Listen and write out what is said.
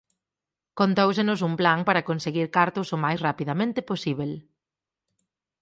Contóusenos un plan para conseguir cartos o máis rapidamente posíbel.